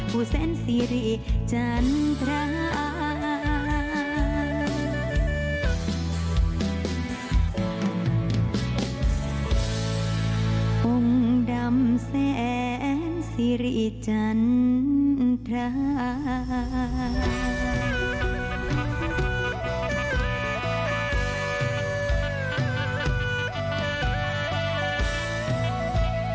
ผู้แสนสิริจันทานาคาวิสุทธิเทวะวิสุทธิเทวะอันเชิญมากคุ้มภัย